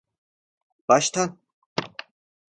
Baştan.